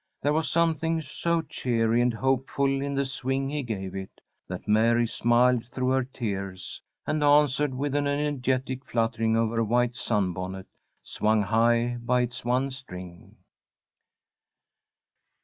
There was something so cheery and hopeful in the swing he gave it, that Mary smiled through her tears, and answered with an energetic fluttering of her white sunbonnet, swung high by its one string.